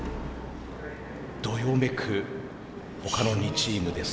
どよめく他の２チームです。